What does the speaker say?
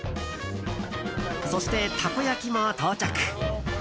そして、たこ焼きも到着。